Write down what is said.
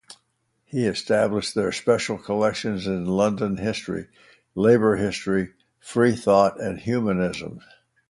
He established their special collections in London history, labour history, free-thought and humanism.